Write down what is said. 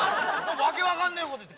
訳分かんねえこと言って。